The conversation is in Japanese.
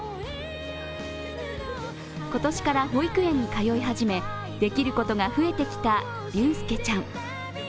今年から保育園に通い始めできることが増えてきた竜佑ちゃん。